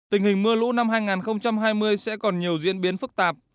tình hình mưa lũ năm hai nghìn hai mươi sẽ còn nhiều diễn biến phức tạp